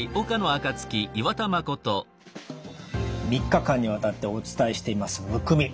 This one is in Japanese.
３日間にわたってお伝えしていますむくみ。